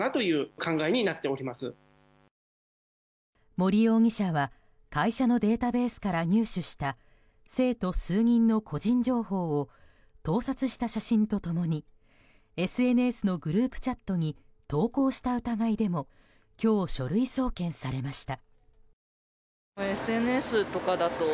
森容疑者は会社のデータベースから入手した生徒数人の個人情報を盗撮した写真と共にＳＮＳのグループチャットに投稿した疑いでも今日、書類送検されました。